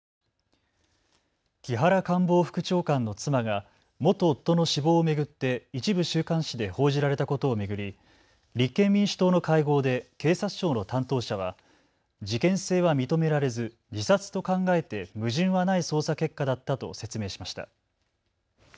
木原官房副長官の妻が元夫の死亡を巡って一部週刊誌で報じられたことを巡り立憲民主党の会合で警察庁の担当者は事件性は認められず自殺と考えて矛盾はない捜査結果だったと説明しました。